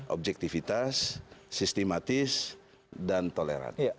objektifitas sistematis dan toleran